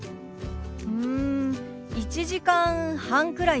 うん１時間半くらいです。